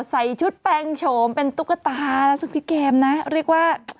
ใส่ชุดแปลงโฉมเป็นตุ๊กตาและสวิกเกมนะเรียกว่า